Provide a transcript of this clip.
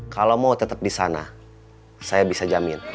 kalau mau tetap di sana saya bisa jamin